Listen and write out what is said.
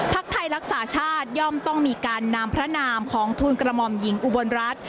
ไทยรักษาชาติย่อมต้องมีการนำพระนามของทูลกระหม่อมหญิงอุบลรัฐ